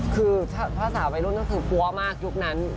คือภาษาวัยรุ่นก็คือปั๊วมากยุคนั้น